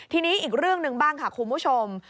ทีนี้อีกเรื่องหนึ่งบ้างค่ะคุณผู้ชม